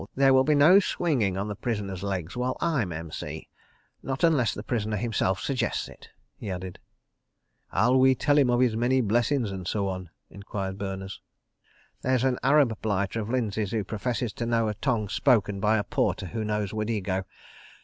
There will be no swinging on the prisoner's legs while I'm M.C. ... Not unless the prisoner himself suggests it," he added. "How'll we tell him of his many blessin's, and so on?" enquired Berners. "There's an Arab blighter of Lindsay's who professes to know a tongue spoken by a porter who knows Wadego.